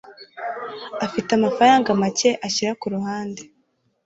Afite amafaranga make ashyira kuruhande.